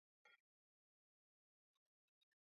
افغانستان تر هغو نه ابادیږي، ترڅو د هنرمندانو قدر ونشي.